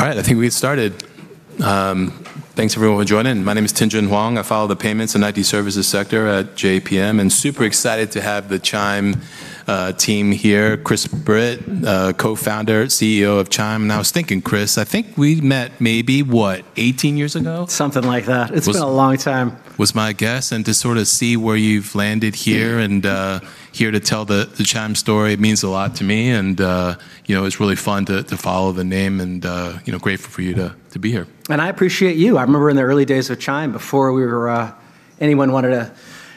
All right, I think we get started. Thanks everyone for joining. My name is Tien-tsin Huang. I follow the payments and IT services sector at JPM, and super excited to have the Chime team here. Chris Britt, Co-founder, CEO of Chime. I was thinking, Chris, I think we met maybe what, 18 years ago? Something like that. Was- It's been a long time was my guess, and to sort of see where you've landed here. Yeah Here to tell the Chime story means a lot to me and, you know, its really fun to follow the name and grateful for you to be here. I appreciate you. I remember in the early days of Chime before we were anyone wanted to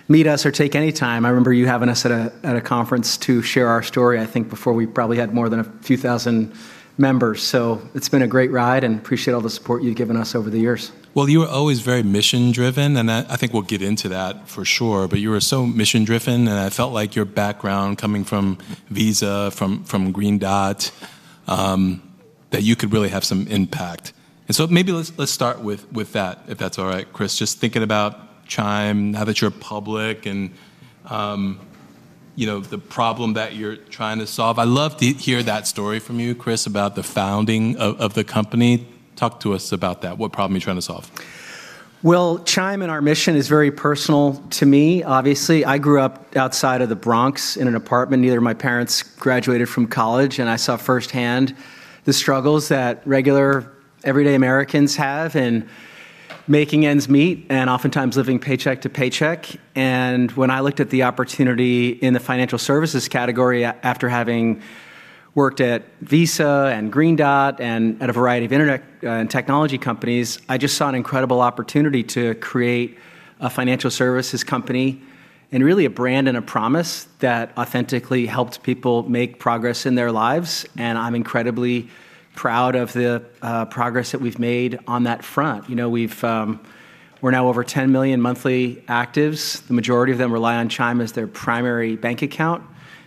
meet us or take any time, I remember you having us at a conference to share our story, I think before we probably had more than a few thousand members. It's been a great ride, appreciate all the support you've given us over the years. Well, you were always very mission-driven, and that, I think we'll get into that for sure. But you were so mission-driven, and I felt like your background coming from Visa, from Green Dot, that you could really have some impact. Maybe let's start with that, if that's all right, Chris. Just thinking about Chime, now that you're public and, you know, the problem that you're trying to solve. I'd love to hear that story from you, Chris, about the founding of the company. Talk to us about that. What problem are you trying to solve? Well, Chime and our mission is very personal to me. Obviously, I grew up outside of the Bronx in an apartment. Neither of my parents graduated from college, I saw firsthand the struggles that regular everyday Americans have in making ends meet and oftentimes living paycheck to paycheck. When I looked at the opportunity in the financial services category after having worked at Visa and Green Dot and at a variety of internet, technology companies, I just saw an incredible opportunity to create a financial services company and really a brand and a promise that authentically helped people make progress in their lives, and I'm incredibly proud of the progress that we've made on that front. You know, we've, we're now over 10 million monthly actives. The majority of them rely on Chime as their primary bank account.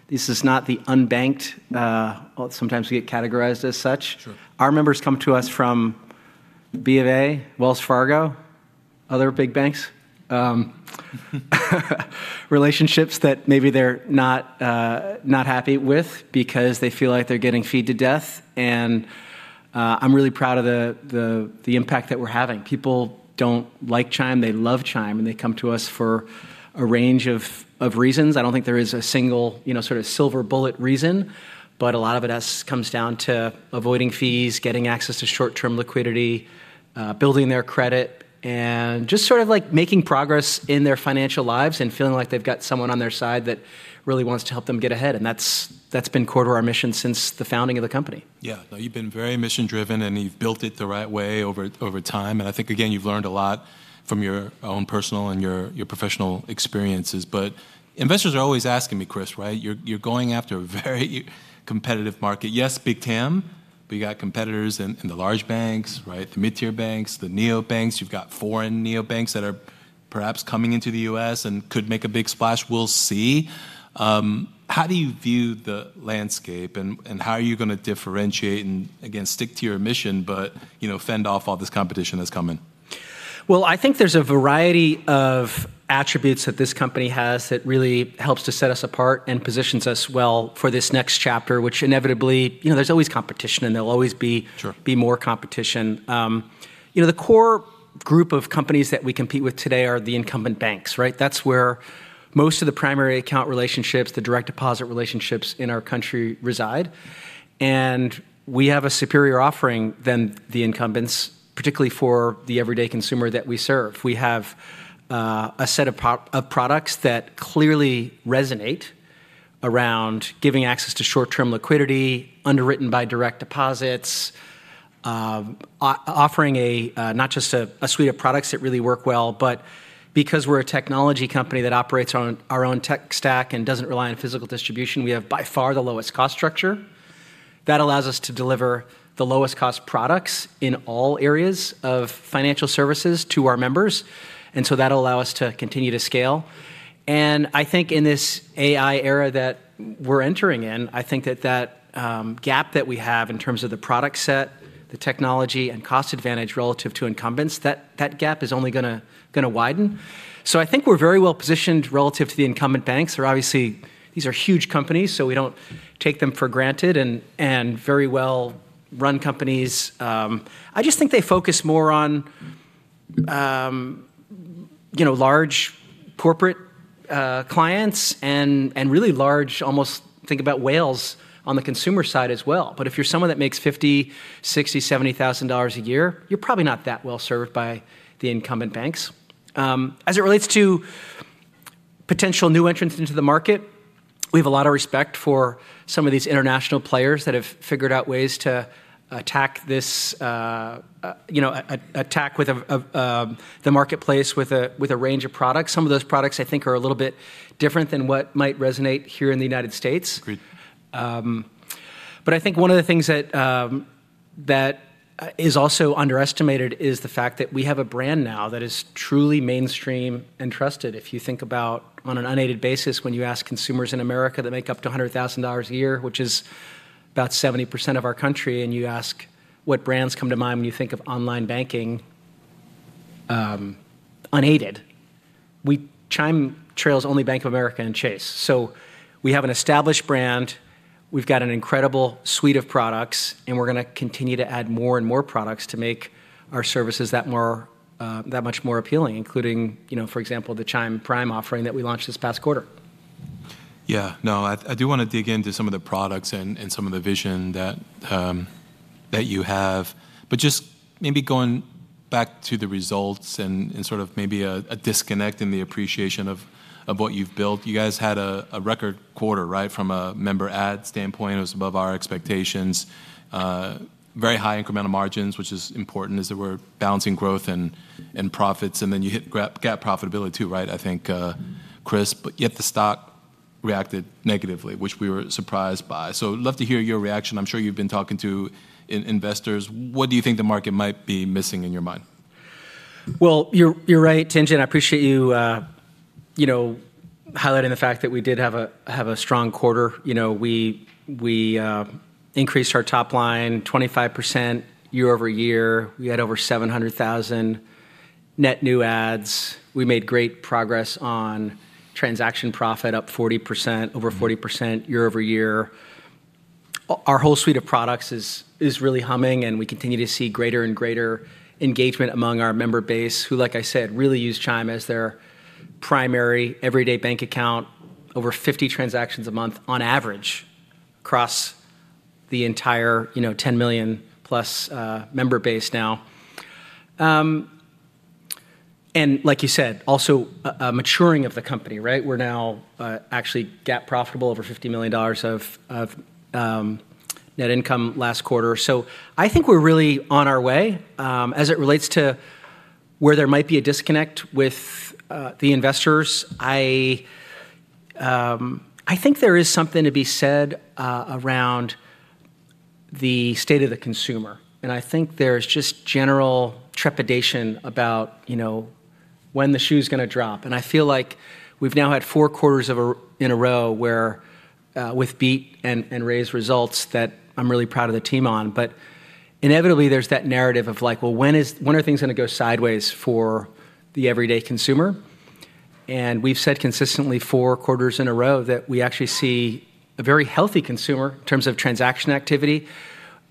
This is not the unbanked. Well, sometimes we get categorized as such. Sure. Our members come to us from Bank of America, Wells Fargo, other big banks. Relationships that maybe they're not not happy with because they feel like they're getting fee'd to death and I'm really proud of the impact that we're having. People don't like Chime, they love Chime, they come to us for a range of reasons. I don't think there is a single, you know, sort of silver bullet reason, a lot of it comes down to avoiding fees, getting access to short-term liquidity, building their credit, just sort of like making progress in their financial lives and feeling like they've got someone on their side that really wants to help them get ahead, that's been core to our mission since the founding of the company. No, you've been very mission-driven, and you've built it the right way over time, I think, again, you've learned a lot from your own personal and your professional experiences. Investors are always asking me, Chris, right, you're going after a very competitive market. Big TAM, but you got competitors in the large banks, right, the mid-tier banks, the neobanks. You've got foreign neobanks that are perhaps coming into the U.S. and could make a big splash. We'll see. How do you view the landscape, and how are you gonna differentiate and again, stick to your mission, but, you know, fend off all this competition that's coming? Well, I think there's a variety of attributes that this company has that really helps to set us apart and positions us well for this next chapter, which inevitably, you know, there's always competition. Sure be more competition. You know, the core group of companies that we compete with today are the incumbent banks, right? That's where most of the primary account relationships, the direct deposit relationships in our country reside. We have a superior offering than the incumbents, particularly for the everyday consumer that we serve. We have a set of products that clearly resonate around giving access to short-term liquidity underwritten by direct deposits, offering a, not just a suite of products that really work well, but because we're a technology company that operates on our own tech stack and doesn't rely on physical distribution, we have by far the lowest cost structure. That allows us to deliver the lowest cost products in all areas of financial services to our members. That'll allow us to continue to scale. I think in this AI era that we're entering in, I think that that gap that we have in terms of the product set, the technology, and cost advantage relative to incumbents, that gap is only gonna widen. I think we're very well positioned relative to the incumbent banks. They're obviously, these are huge companies, we don't take them for granted and very well-run companies. I just think they focus more on, you know, large corporate clients and really large almost think about whales on the consumer side as well. If you're someone that makes $50,000, $60,000, $70,000 a year, you're probably not that well served by the incumbent banks. As it relates to potential new entrants into the market, we have a lot of respect for some of these international players that have figured out ways to attack this, you know, attack the marketplace with a range of products. Some of those products I think are a little bit different than what might resonate here in the United States. Agreed. I think one of the things that is also underestimated is the fact that we have a brand now that is truly mainstream and trusted. If you think about on an unaided basis, when you ask consumers in America that make up to $100,000 a year, which is about 70% of our country, and you ask what brands come to mind when you think of online banking, unaided, Chime trails only Bank of America and Chase. We have an established brand, we've got an incredible suite of products, and we're gonna continue to add more and more products to make our services that much more appealing, including, you know, for example, the Chime Prime offering that we launched this past quarter. Yeah. No, I do wanna dig into some of the products and some of the vision that you have. Just maybe going back to the results and sort of maybe a disconnect in the appreciation of what you've built. You guys had a record quarter, right? From a member add standpoint, it was above our expectations. Very high incremental margins, which is important as we're balancing growth and profits, and then you hit GAAP profitability too, right? I think, Chris. Yet the stock reacted negatively, which we were surprised by. I'd love to hear your reaction. I'm sure you've been talking to investors. What do you think the market might be missing in your mind? Well, you're right, Tien-tsin Huang. I appreciate you know, highlighting the fact that we did have a strong quarter. You know, we increased our top line 25% year-over-year. We had over 700,000 net new adds. We made great progress on transaction profit, up 40%, over 40% year-over-year. Our whole suite of products is really humming, and we continue to see greater and greater engagement among our member base, who, like I said, really use Chime as their primary everyday bank account, over 50 transactions a month on average across the entire, you know, 10 million-plus member base now. Like you said, also a maturing of the company, right? We're now actually GAAP profitable, over $50 million of net income last quarter. I think we're really on our way. As it relates to where there might be a disconnect with the investors, I think there is something to be said around the state of the consumer. I think there's just general trepidation about, you know, when the shoe's gonna drop. I feel like we've now had four quarters in a row where with beat and raised results that I'm really proud of the team on. Inevitably, there's that narrative of like, "Well, when are things gonna go sideways for the everyday consumer?" We've said consistently four quarters in a row that we actually see a very healthy consumer in terms of transaction activity.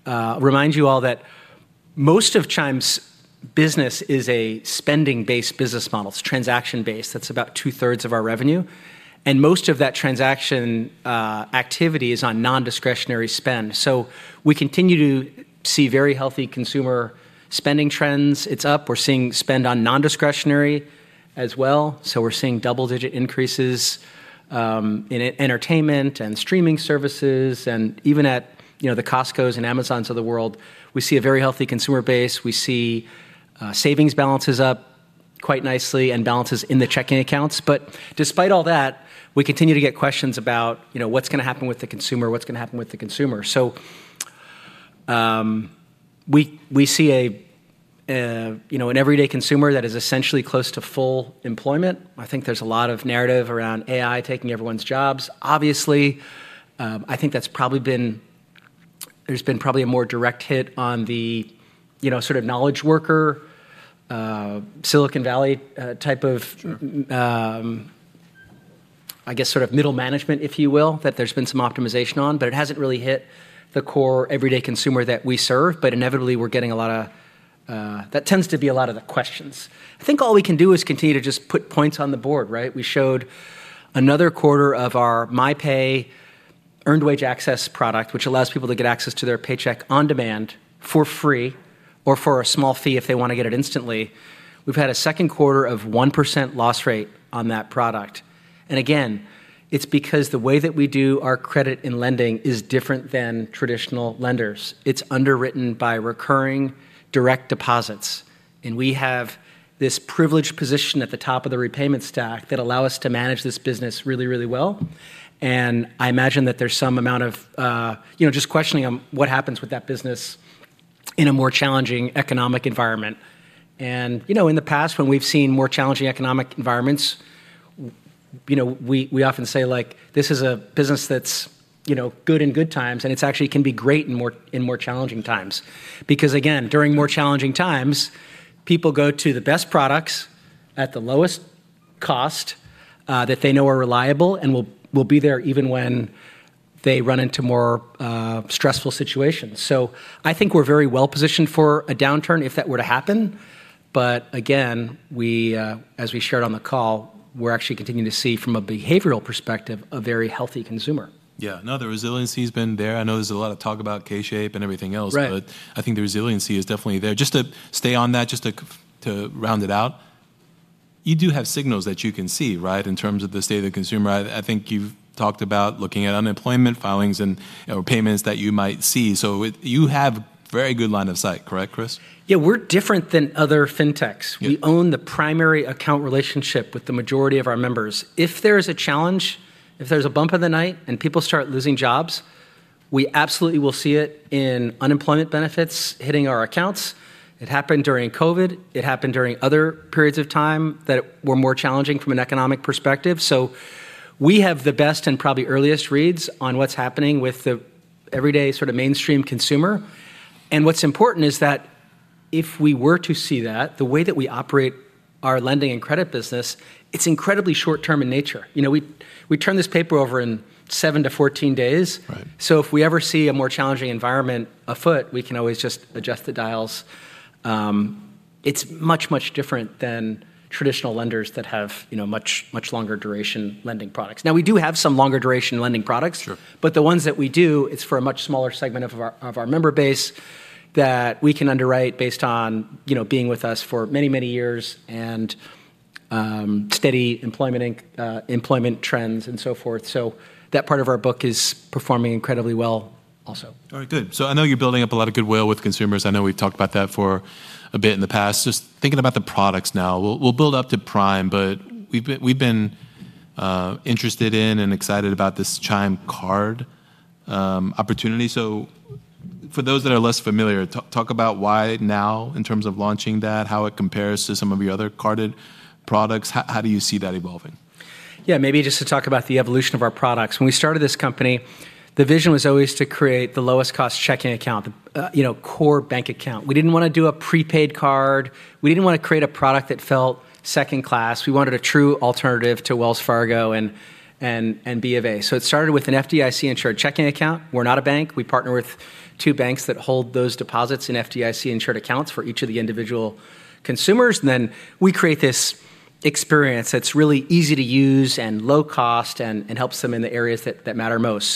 Remind you all that most of Chime's business is a spending-based business model. It's transaction-based. That's about two-thirds of our revenue. Most of that transaction activity is on non-discretionary spend. We continue to see very healthy consumer spending trends. It's up. We're seeing spend on non-discretionary as well. We're seeing double-digit increases in e-entertainment and streaming services, and even at, you know, the Costcos and Amazons of the world, we see a very healthy consumer base. We see savings balances up quite nicely and balances in the checking accounts. Despite all that, we continue to get questions about, you know, what's gonna happen with the consumer, what's gonna happen with the consumer. We see, you know, an everyday consumer that is essentially close to full employment. I think there's a lot of narrative around AI taking everyone's jobs. Obviously, there's been probably a more direct hit on the, you know, sort of knowledge worker, Silicon Valley. Sure I guess sort of middle management, if you will, that there's been some optimization on. It hasn't really hit the core everyday consumer that we serve. Inevitably, we're getting a lot of, that tends to be a lot of the questions. I think all we can do is continue to just put points on the board, right? We showed another quarter of our MyPay earned wage access product, which allows people to get access to their paycheck on demand for free or for a small fee if they wanna get it instantly. We've had a second quarter of 1% loss rate on that product. Again, it's because the way that we do our credit and lending is different than traditional lenders. It's underwritten by recurring direct deposits. We have this privileged position at the top of the repayment stack that allow us to manage this business really well. I imagine that there's some amount of, you know, just questioning on what happens with that business in a more challenging economic environment. In the past, when we've seen more challenging economic environments, you know, we often say, like, "This is a business that's, you know, good in good times, and it's actually can be great in more challenging times." Again, during more challenging times, people go to the best products at the lowest cost, that they know are reliable and will be there even when they run into more stressful situations. I think we're very well-positioned for a downturn if that were to happen. Again, we, as we shared on the call, we're actually continuing to see from a behavioral perspective, a very healthy consumer. Yeah. No, the resiliency's been there. I know there's a lot of talk about K-shaped and everything else. Right. I think the resiliency is definitely there. Just to stay on that, just to round it out, you do have signals that you can see, right, in terms of the state of the consumer. I think you've talked about looking at unemployment filings and, you know, payments that you might see. You have very good line of sight, correct, Chris? Yeah. We're different than other fintechs. Yeah. We own the primary account relationship with the majority of our members. If there is a challenge, if there's a bump in the night and people start losing jobs, we absolutely will see it in unemployment benefits hitting our accounts. It happened during COVID, it happened during other periods of time that were more challenging from an economic perspective. We have the best and probably earliest reads on what's happening with everyday sort of mainstream consumer. What's important is that if we were to see that, the way that we operate our lending and credit business, it's incredibly short-term in nature. You know, we turn this paper over in seven to 14 days. Right. If we ever see a more challenging environment afoot, we can always just adjust the dials. It's much different than traditional lenders that have, you know, much longer duration lending products. Now, we do have some longer duration lending products. Sure The ones that we do, it's for a much smaller segment of our, of our member base that we can underwrite based on, you know, being with us for many, many years and steady employment trends and so forth. That part of our book is performing incredibly well also. All right, good. I know you're building up a lot of goodwill with consumers. I know we've talked about that for a bit in the past. Just thinking about the products now. We'll build up to Prime, but we've been interested in and excited about this Chime Card opportunity. For those that are less familiar, talk about why now in terms of launching that, how it compares to some of your other carded products. How do you see that evolving? Maybe just to talk about the evolution of our products. When we started this company, the vision was always to create the lowest cost checking account, the, you know, core bank account. We didn't wanna do a prepaid card. We didn't wanna create a product that felt second class. We wanted a true alternative to Wells Fargo and Bank of America. It started with an FDIC insured checking account. We're not a bank. We partner with two banks that hold those deposits in FDIC insured accounts for each of the individual consumers, and then we create this experience that's really easy to use and low cost and helps them in the areas that matter most.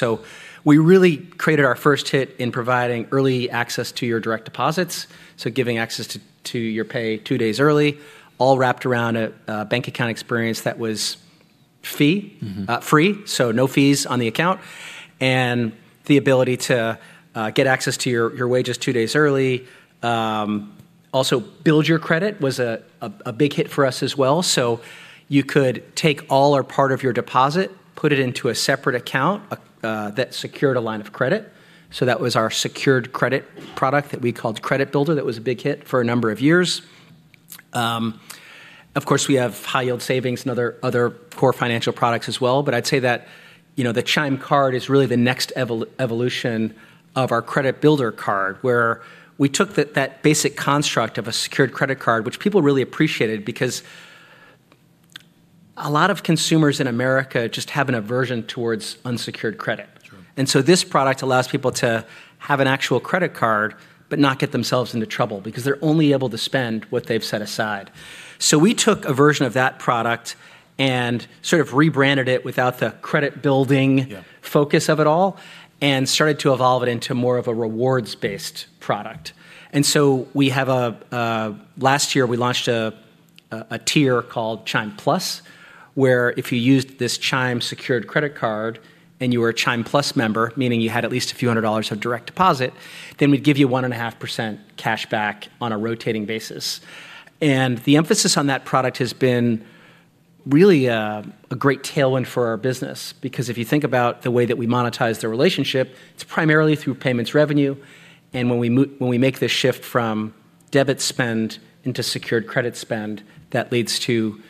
We really created our first hit in providing early access to your direct deposits, so giving access to your pay two days early, all wrapped around a bank account experience that was fee- free, so no fees on the account and the ability to get access to your wages two days early. Also build your credit was a big hit for us as well, so you could take all or part of your deposit, put it into a separate account, a that secured a line of credit, so that was our secured credit product that we called Credit Builder. That was a big hit for a number of years. Of course, we have high yield savings and other core financial products as well, but I'd say that, you know, the Chime Card is really the next evolution of our Credit Builder Card, where we took that basic construct of a secured credit card, which people really appreciated because a lot of consumers in America just have an aversion towards unsecured credit. Sure. This product allows people to have an actual credit card but not get themselves into trouble because they're only able to spend what they've set aside. We took a version of that product and sort of rebranded it. Yeah focus of it all and started to evolve it into more of a rewards-based product. Last year we launched a tier called Chime Plus, where if you used this Chime secured credit card and you were a Chime Plus member, meaning you had at least a few hundred dollars of direct deposit, then we'd give you 1.5% cash back on a rotating basis. The emphasis on that product has been really a great tailwind for our business because if you think about the way that we monetize the relationship, it's primarily through payments revenue, when we make this shift from debit spend into secured credit spend, that leads to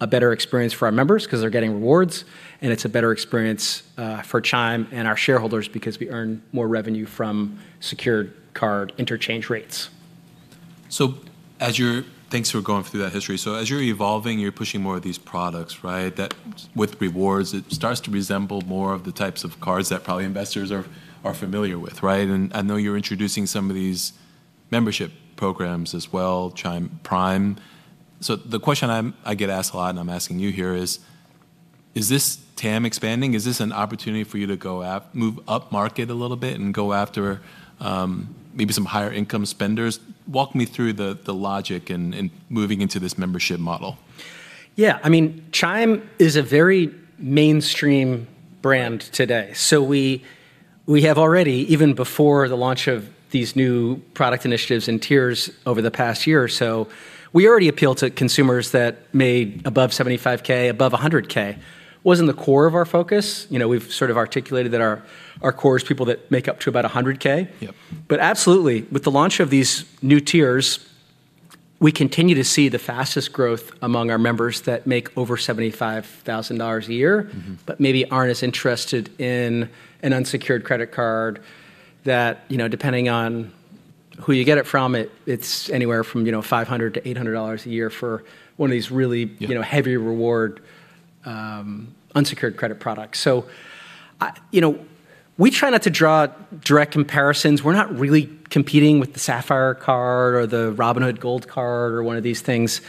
a better experience for our members 'cause they're getting rewards, and it's a better experience for Chime and our shareholders because we earn more revenue from secured card interchange rates. As you're Thanks for going through that history. As you're evolving, you're pushing more of these products, right? That with rewards, it starts to resemble more of the types of cards that probably investors are familiar with, right? I know you're introducing some of these membership programs as well, Chime Prime. The question I get asked a lot, and I'm asking you here is this TAM expanding? Is this an opportunity for you to move upmarket a little bit and go after maybe some higher income spenders? Walk me through the logic in moving into this membership model. Yeah, I mean, Chime is a very mainstream brand today. We have already, even before the launch of these new product initiatives and tiers over the past year or so, we already appeal to consumers that made above $75,000, above $100,000. Wasn't the core of our focus. You know, we've sort of articulated that our core is people that make up to about $100,000. Yep. Absolutely, with the launch of these new tiers, we continue to see the fastest growth among our members that make over $75,000 a year. Maybe aren't as interested in an unsecured credit card that, you know, depending on who you get it from, it's anywhere from, you know, $500-$800 a year for one of these. Yeah you know, heavy reward, unsecured credit products. you know, we try not to draw direct comparisons. We're not really competing with the Sapphire card or the Robinhood Gold Card or one of these things.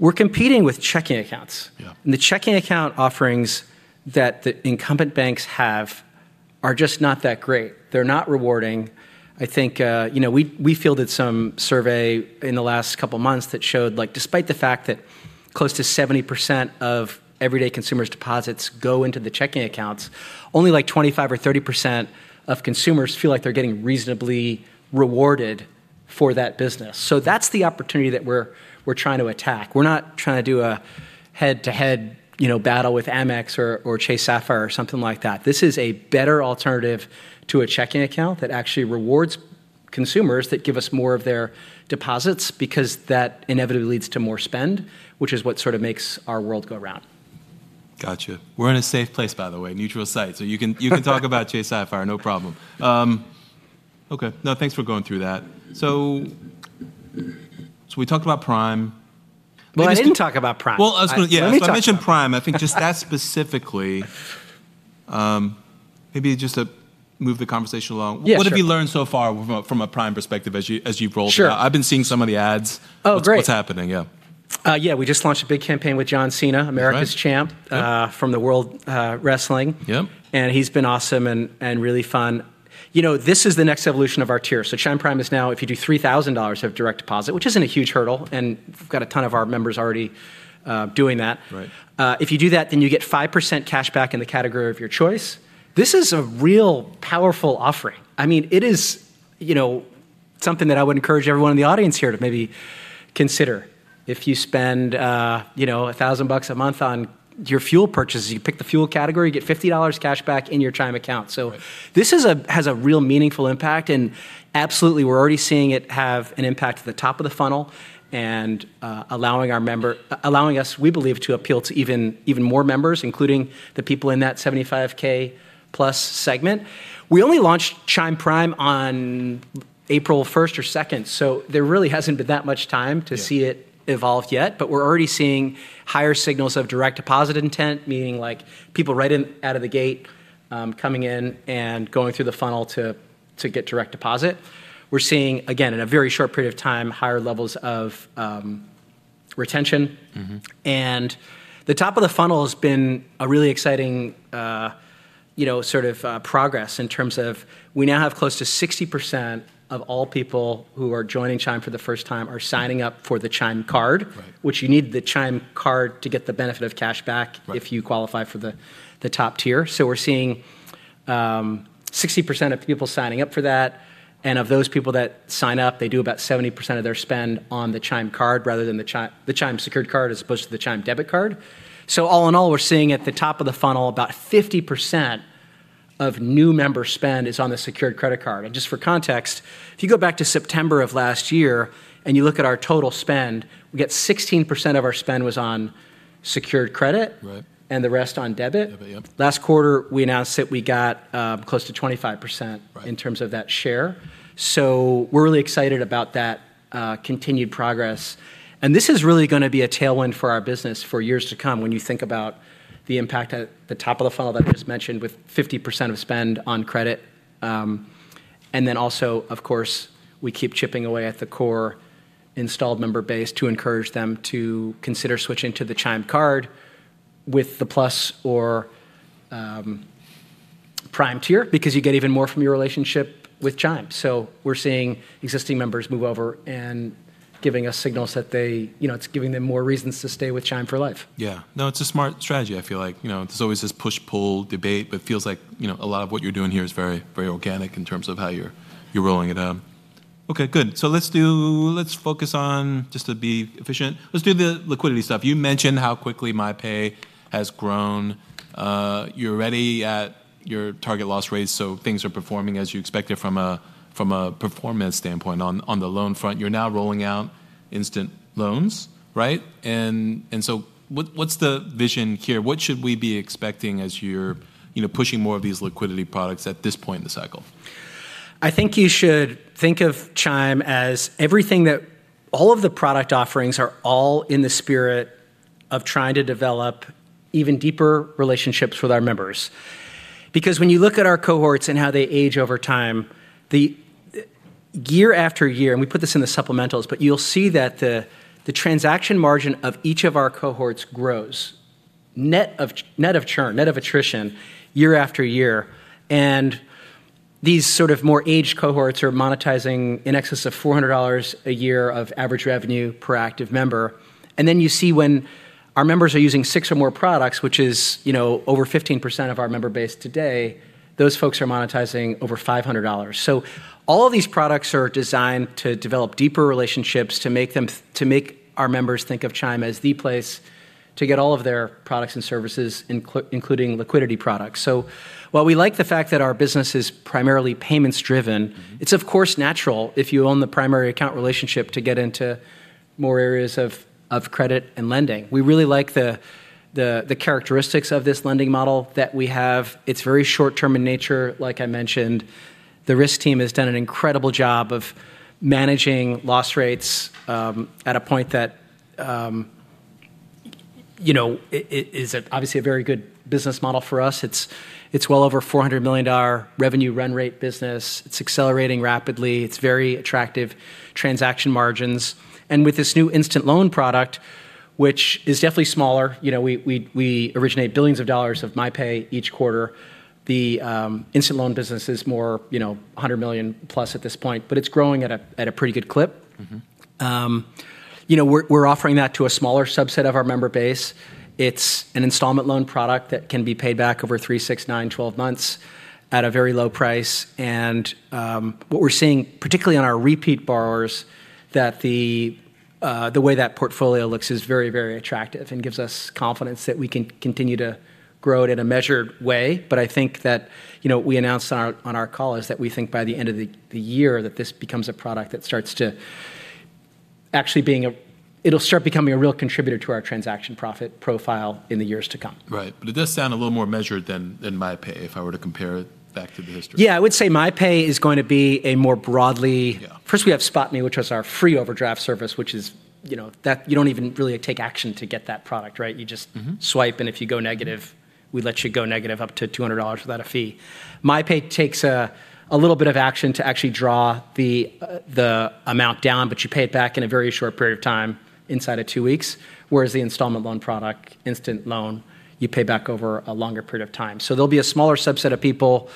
We're competing with checking accounts. Yeah. The checking account offerings that the incumbent banks have are just not that great. They're not rewarding. I think, you know, we fielded some survey in the last couple months that showed, like, despite the fact that close to 70% of everyday consumers' deposits go into the checking accounts, only like 25% or 30% of consumers feel like they're getting reasonably rewarded for that business. That's the opportunity that we're trying to attack. We're not trying to do a head-to-head, you know, battle with Amex or Chase Sapphire or something like that. This is a better alternative to a checking account that actually rewards consumers that give us more of their deposits because that inevitably leads to more spend, which is what sort of makes our world go round. Gotcha. We're in a safe place, by the way, neutral site, so you can talk about Chase Sapphire, no problem. Okay. No, thanks for going through that. We talked about Prime. No, I didn't talk about Prime. Well, yeah. Let me talk about Prime. If I mentioned Prime, I think just that specifically, maybe just to move the conversation along. Yeah, sure. What have you learned so far from a Prime perspective as you've rolled it out? Sure. I've been seeing some of the ads. Oh, great. What's happening? Yeah. Yeah, we just launched a big campaign with John Cena. Nice. America's champ. Yeah. From the world, wrestling. Yeah. He's been awesome and really fun. You know, this is the next evolution of our tier. Chime Prime is now if you do $3,000 of direct deposit, which isn't a huge hurdle, and we've got a ton of our members already doing that. Right. If you do that, then you get 5% cashback in the category of your choice. This is a real powerful offering. I mean, it is, you know, something that I would encourage everyone in the audience here to maybe consider. If you spend, you know, $1,000 a month on your fuel purchases, you pick the fuel category, you get $50 cashback in your Chime account. Right This has a real meaningful impact. Absolutely, we're already seeing it have an impact at the top of the funnel and, allowing us, we believe, to appeal to even more members, including the people in that $75,000+ segment. We only launched Chime Prime on April 1st or 2nd. There really hasn't been that much time to see it evolved yet. We're already seeing higher signals of direct deposit intent, meaning, like, people right in out of the gate, coming in and going through the funnel to get direct deposit. We're seeing, again, in a very short period of time, higher levels of retention. The top of the funnel has been a really exciting, you know, sort of, progress in terms of we now have close to 60% of all people who are joining Chime for the first time are signing up for the Chime Card. Right. you need the Chime Card to get the benefit of cashback. Right if you qualify for the top tier. We're seeing 60% of people signing up for that, and of those people that sign up, they do about 70% of their spend on the Chime Card rather than the Chime Secured Card as opposed to the Chime Debit Card. All in all, we're seeing at the top of the funnel about 50% of new member spend is on the secured credit card. Just for context, if you go back to September of last year and you look at our total spend, we get 16% of our spend was on secured credit. Right The rest on debit. Debit, yep. Last quarter, we announced that we got, close to 25%. Right in terms of that share. We're really excited about that continued progress, and this is really gonna be a tailwind for our business for years to come when you think about the impact at the top of the funnel that I just mentioned with 50% of spend on credit. Of course, we keep chipping away at the core installed member base to encourage them to consider switching to the Chime Card with the Plus or Prime tier because you get even more from your relationship with Chime. We're seeing existing members move over and giving us signals that they, you know, it's giving them more reasons to stay with Chime for life. Yeah. No, it's a smart strategy I feel like. You know, there's always this push/pull debate, but it feels like, you know, a lot of what you're doing here is very, very organic in terms of how you're rolling it out. Okay, good. Let's focus on, just to be efficient, let's do the liquidity stuff. You mentioned how quickly MyPay has grown. You're already at your target loss rate, so things are performing as you expected from a performance standpoint on the loan front. You're now rolling out Instant Loans, right? What's the vision here? What should we be expecting as you're, you know, pushing more of these liquidity products at this point in the cycle? I think you should think of Chime as everything that all of the product offerings are all in the spirit of trying to develop even deeper relationships with our members. Because when you look at our cohorts and how they age over time, year after year, and we put this in the supplementals, but you'll see that the transaction margin of each of our cohorts grows, net of churn, net of attrition, year after year. And these sort of more aged cohorts are monetizing in excess of $400 a year of average revenue per active member. Then you see when our members are using 6 or more products, which is, you know, over 15% of our member base today, those folks are monetizing over $500. All of these products are designed to develop deeper relationships to make them to make our members think of Chime as the place to get all of their products and services, including liquidity products. While we like the fact that our business is primarily payments driven. It's of course natural if you own the primary account relationship to get into more areas of credit and lending. We really like the characteristics of this lending model that we have. It's very short term in nature, like I mentioned. The risk team has done an incredible job of managing loss rates at a point that, you know, it is obviously a very good business model for us. It's well over a $400 million revenue run rate business. It's accelerating rapidly. It's very attractive transaction margins. With this new Instant Loan product, which is definitely smaller, you know, we originate billions of dollars of MyPay each quarter. The Instant Loan business is more, you know, $100+ million at this point, but it's growing at a pretty good clip. You know, we're offering that to a smaller subset of our member base. It's an installment loan product that can be paid back over three, six, nine, 12 months at a very low price. What we're seeing, particularly on our repeat borrowers, that the way that portfolio looks is very, very attractive and gives us confidence that we can continue to grow it in a measured way. I think that, you know, we announced on our call is that we think by the end of the year that this becomes a product that it'll start becoming a real contributor to our transaction profit profile in the years to come. Right. It does sound a little more measured than MyPay, if I were to compare it back to the history. Yeah, I would say MyPay is going to be a more broadly-. Yeah. First we have SpotMe, which was our free overdraft service, which is, you know, that you don't even really take action to get that product, right? If you go negative, we let you go negative up to $200 without a fee. MyPay takes a little bit of action to actually draw the amount down, but you pay it back in a very short period of time, inside of two weeks, whereas the installment loan product, Instant Loan, you pay back over a longer period of time. There'll be a smaller subset of people,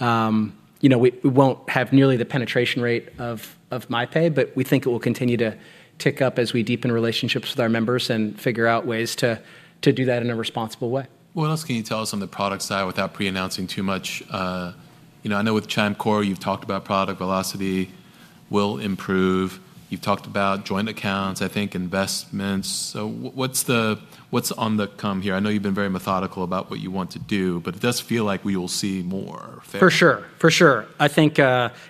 you know, we won't have nearly the penetration rate of MyPay, but we think it will continue to tick up as we deepen relationships with our members and figure out ways to do that in a responsible way. What else can you tell us on the product side without pre-announcing too much? You know, I know with ChimeCore you've talked about product velocity will improve. You've talked about joint accounts, I think investments. What's on the come here? I know you've been very methodical about what you want to do, but it does feel like we will see more fairly. For sure. For sure. I think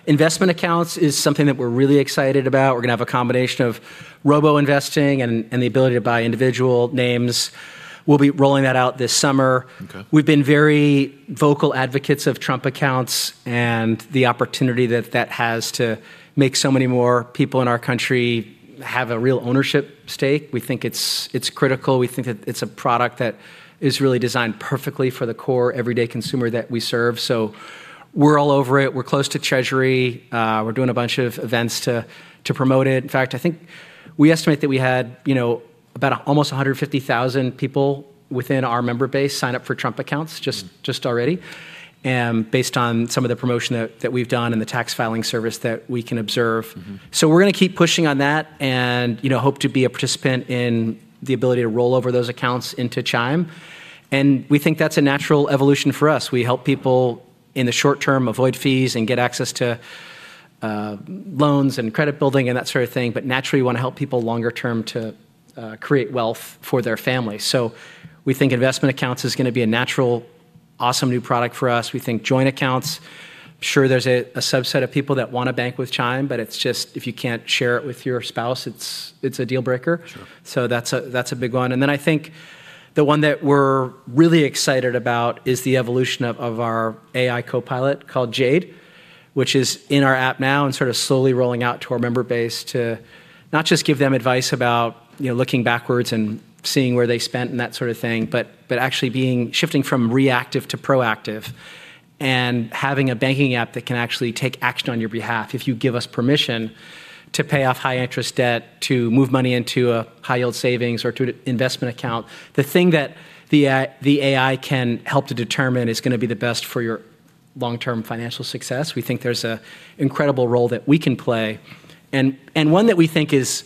investment accounts is something that we're really excited about. We're gonna have a combination of robo investing and the ability to buy individual names. We'll be rolling that out this summer. Okay. We've been very vocal advocates of Chime accounts and the opportunity that that has to make so many more people in our country have a real ownership stake. We think it's critical. We think that it's a product that is really designed perfectly for the core everyday consumer that we serve. We're all over it. We're close to Treasury. We're doing a bunch of events to promote it. In fact, I think we estimate that we had, you know, about almost 150,000 people within our member base sign up for Chime accounts just. Just already. Based on some of the promotion that we've done and the tax filing service that we can observe. We're gonna keep pushing on that, you know, hope to be a participant in the ability to roll over those accounts into Chime. We think that's a natural evolution for us. We help people in the short term avoid fees and get access to loans and credit building and that sort of thing. Naturally we wanna help people longer term to create wealth for their family. We think investment accounts is gonna be a natural, awesome new product for us. We think joint accounts, sure there's a subset of people that wanna bank with Chime. It's just, if you can't share it with your spouse, it's a deal breaker. Sure. That's a big one. I think the one that we're really excited about is the evolution of our AI co-pilot called Jade, which is in our app now and sort of slowly rolling out to our member base to not just give them advice about, you know, looking backwards and seeing where they spent and that sort of thing, but actually shifting from reactive to proactive and having a banking app that can actually take action on your behalf if you give us permission to pay off high interest debt, to move money into a high yield savings or to an investment account. The thing that the AI can help to determine is gonna be the best for your long-term financial success. We think there's a incredible role that we can play and one that we think is,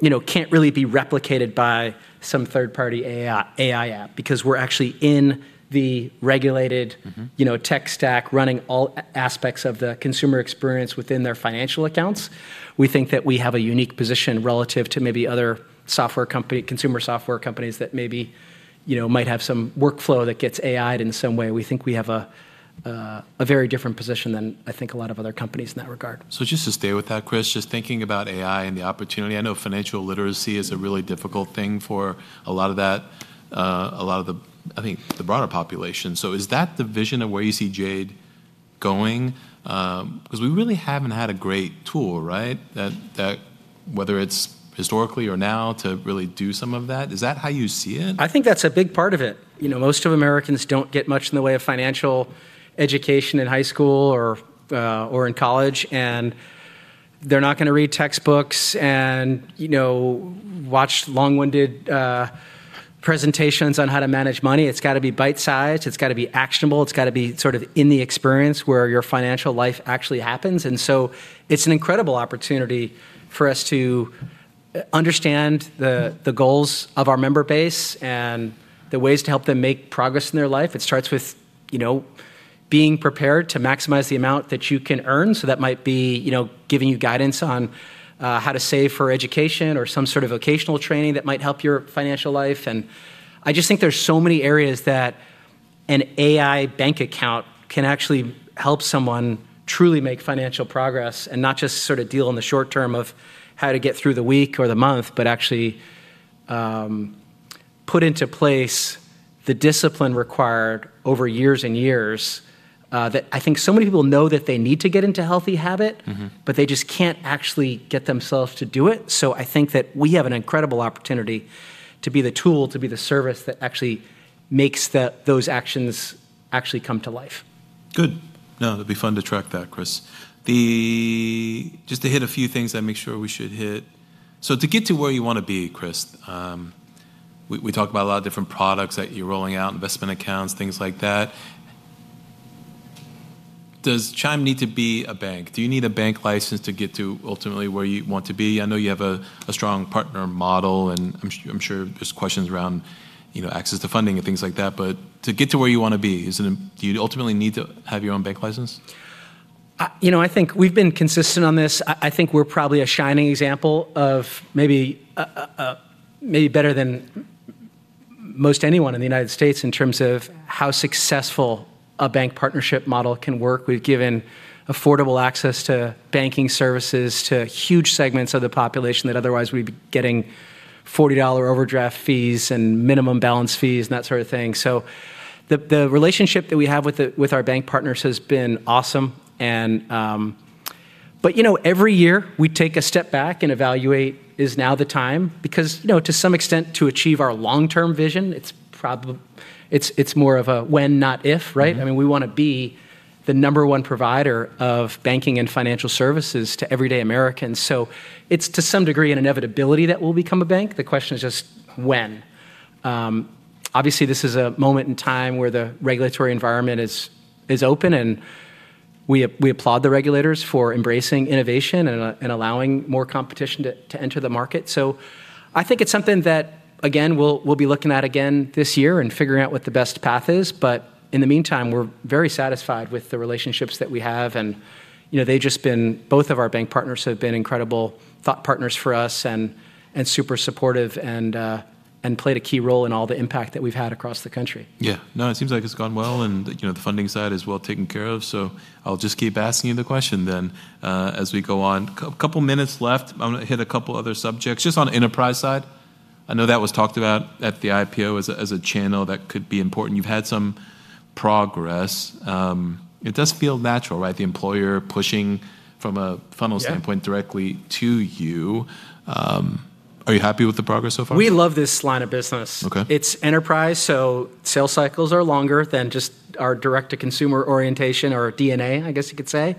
you know, can't really be replicated by some third party AI app because we're actually in the regulated. you know, tech stack running all aspects of the consumer experience within their financial accounts. We think that we have a unique position relative to maybe other software company, consumer software companies that maybe, you know, might have some workflow that gets AI'd in some way. We think we have a very different position than I think a lot of other companies in that regard. Just to stay with that, Chris, just thinking about AI and the opportunity, I know financial literacy is a really difficult thing for a lot of the, I think the broader population. Is that the vision of where you see Jade going? 'Cause we really haven't had a great tool, right, that whether it's historically or now to really do some of that. Is that how you see it? I think that's a big part of it. You know, most of Americans don't get much in the way of financial education in high school or in college, and they're not gonna read textbooks and, you know, watch long-winded presentations on how to manage money. It's gotta be bite-sized, it's gotta be actionable, it's gotta be sort of in the experience where your financial life actually happens. It's an incredible opportunity for us to understand the goals of our member base and the ways to help them make progress in their life. It starts with, you know, being prepared to maximize the amount that you can earn. That might be, you know, giving you guidance on how to save for education or some sort of vocational training that might help your financial life. I just think there's so many areas that an AI bank account can actually help someone truly make financial progress and not just sort of deal in the short term of how to get through the week or the month, but actually, put into place the discipline required over years and years, that I think so many people know that they need to get into healthy. They just can't actually get themselves to do it. I think that we have an incredible opportunity to be the tool, to be the service that actually makes those actions actually come to life. Good. No, that'd be fun to track that, Chris. Just to hit a few things that make sure we should hit. To get to where you wanna be, Chris, we talked about a lot of different products that you're rolling out, investment accounts, things like that. Does Chime need to be a bank? Do you need a bank license to get to ultimately where you want to be? I know you have a strong partner model, and I'm sure there's questions around, you know, access to funding and things like that. To get to where you wanna be, is it, do you ultimately need to have your own bank license? I, you know, I think we've been consistent on this. I think we're probably a shining example of maybe a better than most anyone in the U.S. in terms of. Yeah how successful a bank partnership model can work. We've given affordable access to banking services to huge segments of the population that otherwise would be getting $40 overdraft fees and minimum balance fees and that sort of thing. The relationship that we have with our bank partners has been awesome. But you know, every year we take a step back and evaluate is now the time? Because, you know, to some extent to achieve our long-term vision, it's more of a when, not if, right? I mean, we wanna be the number one provider of banking and financial services to everyday Americans. It's to some degree an inevitability that we'll become a bank. The question is just when. Obviously this is a moment in time where the regulatory environment is open and we applaud the regulators for embracing innovation and allowing more competition to enter the market. I think it's something that, again, we'll be looking at again this year and figuring out what the best path is. In the meantime, we're very satisfied with the relationships that we have and, you know, they've just been Both of our bank partners have been incredible thought partners for us and super supportive and played a key role in all the impact that we've had across the country. Yeah. No, it seems like it's gone well and, you know, the funding side is well taken care of, so I'll just keep asking you the question then, as we go on. Couple minutes left. I'm gonna hit a couple other subjects. Just on enterprise side, I know that was talked about at the IPO as a, as a channel that could be important. You've had some progress. It does feel natural, right? The employer pushing from a funnel standpoint. Yeah directly to you. Are you happy with the progress so far? We love this line of business. Okay. It's enterprise. Sales cycles are longer than just our direct-to-consumer orientation or DNA, I guess you could say.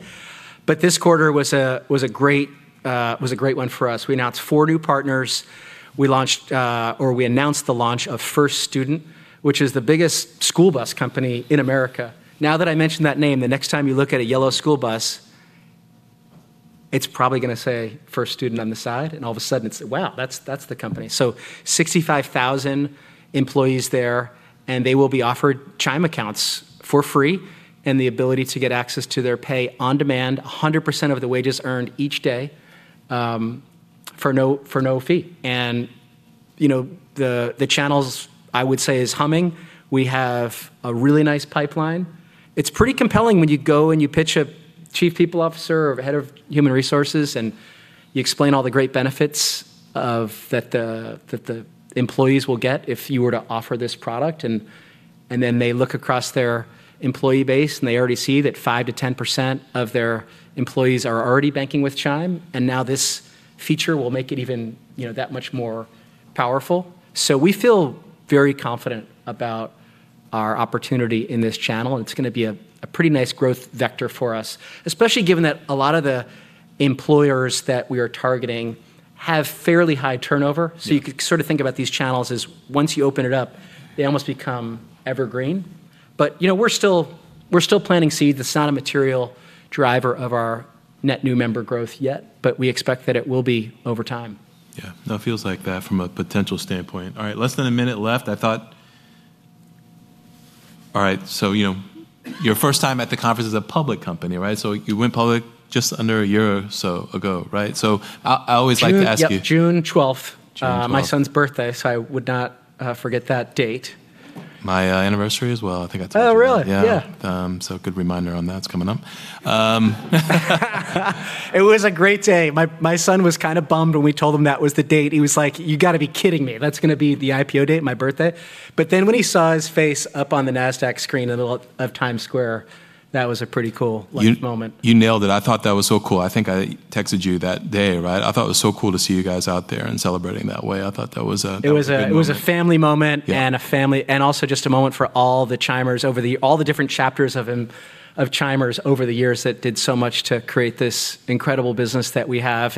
This quarter was a great one for us. We announced four new partners. We launched, or we announced the launch of First Student, which is the biggest school bus company in America. Now that I mention that name, the next time you look at a yellow school bus, it's probably going to say First Student on the side, and all of a sudden it's, wow, that's the company. 65,000 employees there, and they will be offered Chime accounts for free and the ability to get access to their pay on demand 100% of the wages earned each day, for no fee. You know, the channels I would say is humming. We have a really nice pipeline. It's pretty compelling when you go and you pitch a chief people officer or head of human resources and you explain all the great benefits of, that the employees will get if you were to offer this product and then they look across their employee base and they already see that 5%-10% of their employees are already banking with Chime, and now this feature will make it even, you know, that much more powerful. We feel very confident about our opportunity in this channel, and it's gonna be a pretty nice growth vector for us, especially given that a lot of the employers that we are targeting have fairly high turnover. Yeah. You could sort of think about these channels as once you open it up, they almost become evergreen. You know, we're still planting seeds. It's not a material driver of our net new member growth yet. We expect that it will be over time. Yeah. No, it feels like that from a potential standpoint. All right, less than 1 minute left. All right, you know, your first time at the conference as a public company, right? You went public just under 1 year or so ago, right? I always like to ask you. June, yep, June 12th. June 12th. My son's birthday, so I would not forget that date. My anniversary as well. Oh, really? Yeah. Yeah. good reminder on that. It's coming up. It was a great day. My son was kinda bummed when we told him that was the date. He was like, "You gotta be kidding me. That's gonna be the IPO date, my birthday?" When he saw his face up on the Nasdaq screen in Times Square, that was a pretty cool life moment. You nailed it. I thought that was so cool. I think I texted you that day, right? I thought it was so cool to see you guys out there and celebrating that way. I thought that was a good moment. It was a family moment. Yeah A family, and also just a moment for all the Chimers all the different chapters of Chimers over the years that did so much to create this incredible business that we have.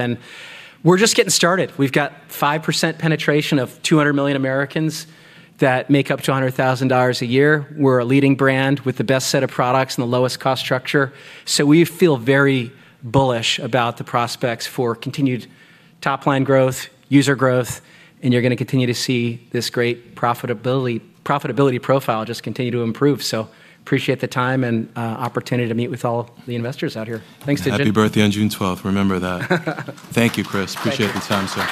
We're just getting started. We've got 5% penetration of 200 million Americans that make up to $100,000 a year. We're a leading brand with the best set of products and the lowest cost structure. We feel very bullish about the prospects for continued top line growth, user growth, and you're gonna continue to see this great profitability profile just continue to improve. Appreciate the time and opportunity to meet with all the investors out here. Thanks, Digit. Happy birthday on June 12th. Remember that. Thank you, Chris. Appreciate the time, sir.